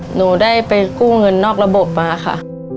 หนูได้ไปกู้เงินนอกระบบมาค่ะ